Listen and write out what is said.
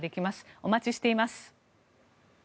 お待ちしています。